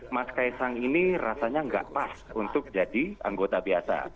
mas kaisang ini rasanya nggak pas untuk jadi anggota biasa